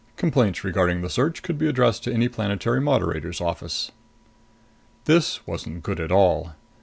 Complaints regarding the search could be addressed to any Planetary Moderator's office. This wasn't good at all!